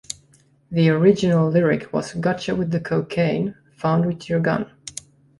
The original lyric was Gotcha with the cocaine, found with your gun.